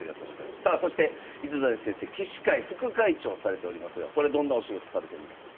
さあそして糸谷先生「棋士界副会長」されておりますがこれどんなお仕事されてるんですか？